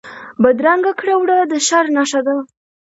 بدرنګه کړه وړه د شر نښه ده